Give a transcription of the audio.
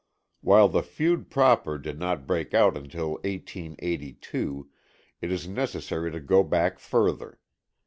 While the feud proper did not break out until 1882, it is necessary to go back further.